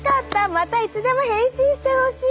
またいつでも変身してほしい！